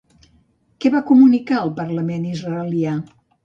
Què va comunicar el parlament israelià?